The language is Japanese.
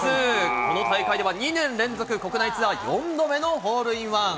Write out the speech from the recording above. この大会では２年連続、国内ツアー４度目のホールインワン。